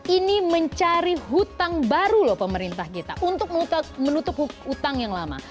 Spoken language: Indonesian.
ini mencari utang baru loh pemerintah kita untuk menutupi utang yang lama